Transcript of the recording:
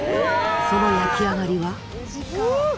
その焼き上がりは？